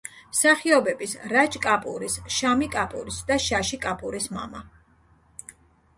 მსახიობების რაჯ კაპურის, შამი კაპურის და შაში კაპურის მამა.